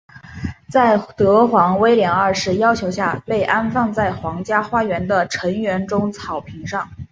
在德皇威廉二世要求下被安放在皇家花园的橙园中的草坪上。